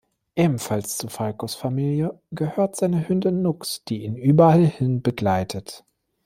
Ebenfalls zu Falcos Familie gehört seine Hündin Nux, die ihn überallhin begleitet.